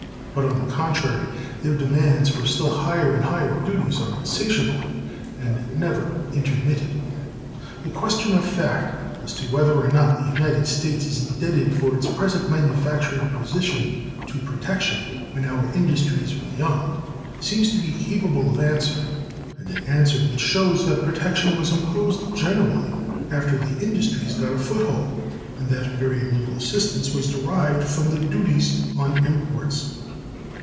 But, on the contrary, their demands for still higher and higher duties are insatiable, and never intermitted."(362) The question of fact, as to whether or not the United States is indebted for its present manufacturing position to protection when our industries were young, seems to be capable of answer, and an answer which shows that protection was imposed generally after the industries got a foothold, and that very little assistance was derived from the duties on imports.